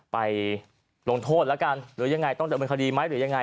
ไปลงโทษแล้วกันหรือยังไงต้องดำเนินคดีไหมหรือยังไง